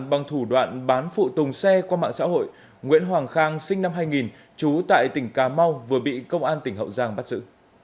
bằng thủ đoạn bán phụ tùng xe qua mạng xã hội nguyễn hoàng khang sinh năm hai nghìn trú tại tỉnh cà mau vừa bị công an tỉnh hậu giang bắt giữ